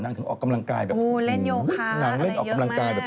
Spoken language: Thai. นางถึงออกกำลังกายแบบ